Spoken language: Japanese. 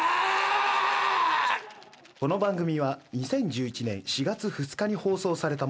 この番組は２０１１年４月２日に放送されたものです。